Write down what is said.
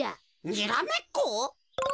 にらめっこ？